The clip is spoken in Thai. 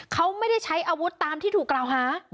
เขาไม่ได้ใช้อาวุธตามที่ถูกกล่าวหา